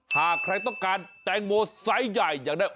หากใครต้องการแตงโมไซส์ใหญ่อยากได้